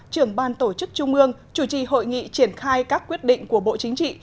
trưởng ban tổ chức trung ương chủ trì hội nghị triển khai các quyết định của bộ chính trị